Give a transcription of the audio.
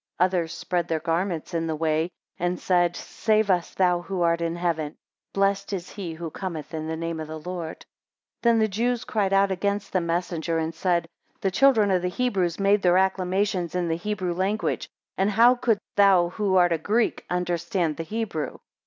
13 Others spread their garments in the way, and said, Save us, thou who art in heaven; blessed is he who cometh in the name of the Lord. 14 Then the Jews cried out, against the messenger, and said, The children of the Hebrews made their acclamations in the Hebrew language; and how couldst thou, who art a Greek, understand the Hebrew?